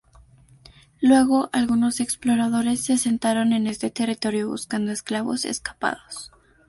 Luego algunos exploradores, se asentaron en este territorio buscando esclavos escapados.